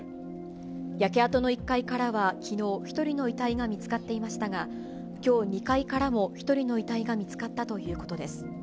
焼け跡の１階からはきのう１人の遺体が見つかっていましたが、きょう、２階からも１人の遺体が見つかったということです。